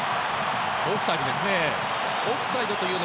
オフサイドですね。